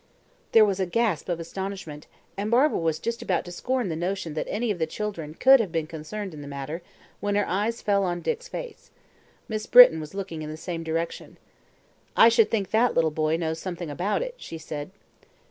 There was a gasp of astonishment, and Barbara was just about to scorn the notion that any of the children could have been concerned in the matter, when her eyes fell on Dick's face. Miss Britton was looking in the same direction. "I should think that little boy knows something about it," she said.